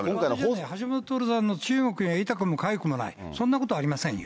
橋下さんの中国は痛くもかゆくもない、そんなことありませんよ。